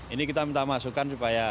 ini kita minta masukan supaya